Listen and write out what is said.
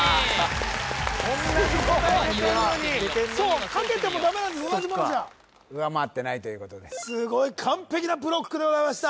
すごい同じ答え出てるのにそう書けてもダメなんです同じものじゃ上回ってないということですごい完璧なブロックでございました